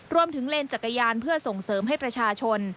เลนจักรยานเพื่อส่งเสริมให้ประชาชน